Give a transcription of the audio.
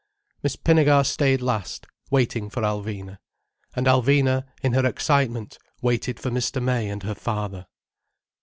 Miss Pinnegar stayed last, waiting for Alvina. And Alvina, in her excitement, waited for Mr. May and her father.